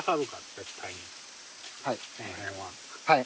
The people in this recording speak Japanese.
はい！